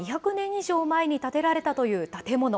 以上前に建てられたという建物。